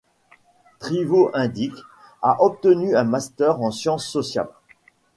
Trivo Inđić a obtenu un master en sciences sociales.